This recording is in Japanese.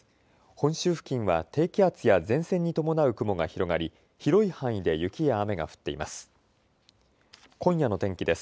本州付近は低気圧や前線に伴う雲が広がり広い範囲で雪や雨が降っています。